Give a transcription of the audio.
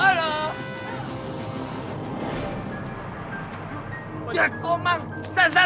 aduh lu sih